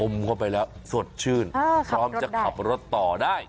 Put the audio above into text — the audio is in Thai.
เข้าไปแล้วสดชื่นพร้อมจะขับรถต่อได้